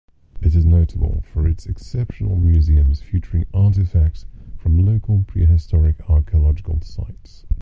It is notable for its exceptional museums featuring artifacts from local prehistoric archaeological sites.